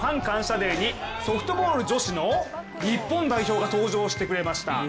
デーにソフトボール女子の日本代表が登場してくれました。